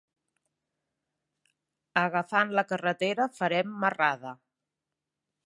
Agafant la carretera farem marrada.